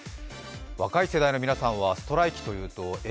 若い世代の皆さんはストライキというとえ？